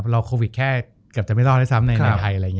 เราโควิดแค่เกือบจะไม่รอดได้ซ้ำในไทย